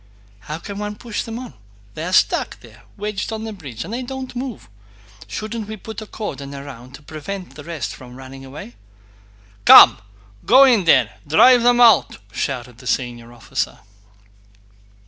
"How can one push on? They are stuck there, wedged on the bridge, and don't move. Shouldn't we put a cordon round to prevent the rest from running away?" "Come, go in there and drive them out!" shouted the senior officer.